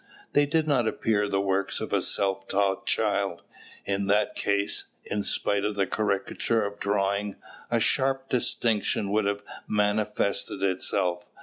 They did not appear the works of a self taught child. In that case, in spite of the caricature of drawing, a sharp distinction would have manifested itself.